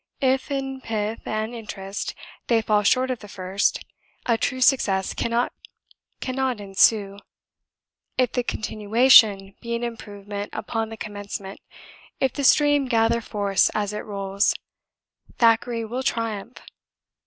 If, in pith and interest, they fall short of the first, a true success cannot ensue. If the continuation be an improvement upon the commencement, if the stream gather force as it rolls, Thackeray will triumph.